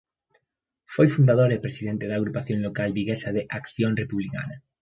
Foi fundador e presidente da agrupación local viguesa de Acción Republicana.